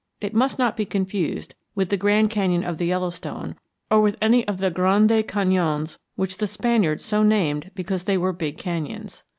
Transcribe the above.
It must not be confused with the Grand Canyon of the Yellowstone, or with any of the grande cañons which the Spaniards so named because they were big canyons.